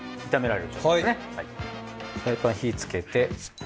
フライパン火つけて。